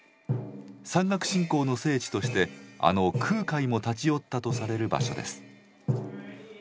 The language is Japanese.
山岳信仰の聖地としてあの空海も立ち寄ったとされる場所です。